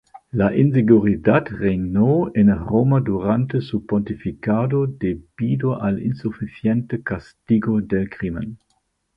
La inseguridad reinó en Roma durante su pontificado debido al insuficiente castigo del crimen.